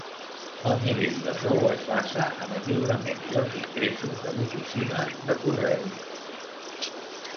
El nivell de sou es basa en els lliuraments i els ingressos de l'oficina de correus.